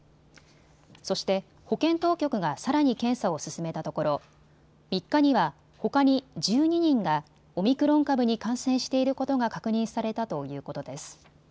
そして保健当局がさらに検査を進めたところ３日にはほかに１２人がオミクロン株に感染していることが確認されたということです。